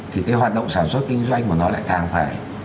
thì cái hoạt động sản xuất kinh doanh của nó lại càng phải